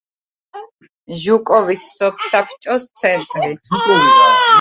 ჟუკოვის სოფსაბჭოს ცენტრი.